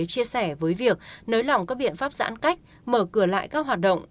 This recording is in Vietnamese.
chia sẻ với việc nới lỏng các biện pháp giãn cách mở cửa lại các hoạt động